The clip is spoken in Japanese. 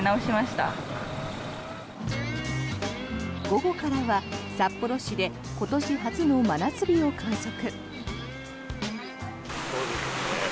午後からは札幌市で今年初めての真夏日を観測。